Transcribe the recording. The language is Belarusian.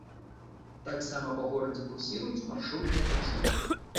Таксама па горадзе курсіруюць маршрутныя таксі.